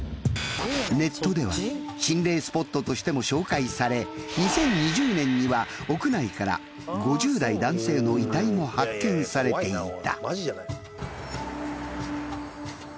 ネットではとしても紹介され２０２０年には屋内から５０代男性の遺体も発見されていた。